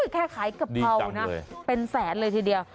แค่ขายกะเพรานะเป็นแสนเลยทีเดียว